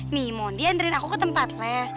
nih mondi anterin aku ke tempat les